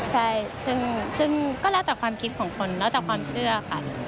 ใช่ซึ่งก็แล้วแต่ความคิดของคนแล้วแต่ความเชื่อค่ะ